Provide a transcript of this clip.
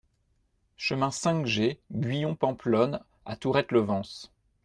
Chemin cinq G Guyon de Pampelonne à Tourrette-Levens